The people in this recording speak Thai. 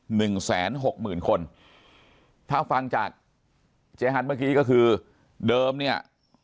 หนึ่งแสนหกหมื่นคนถ้าฟังจากเจ๊ฮันเมื่อกี้ก็คือเดิมเนี่ย